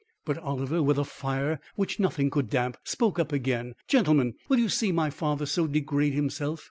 But Oliver, with a fire which nothing could damp, spoke up again: "Gentlemen, will you see my father so degrade himself?